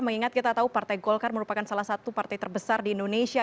mengingat kita tahu partai golkar merupakan salah satu partai terbesar di indonesia